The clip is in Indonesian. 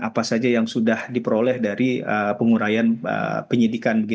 apa saja yang sudah diperoleh dari pengurayan penyidikan